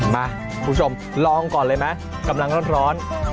มาคุณผู้ชมลองก่อนเลยไหมกำลังร้อน